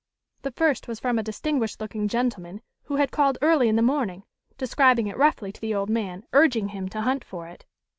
The first was from a distinguished looking gentleman who had called early in the morning, describing it roughly to the old man, urging him to hunt for it.